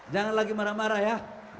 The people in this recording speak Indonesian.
jangan lagi marah marah ya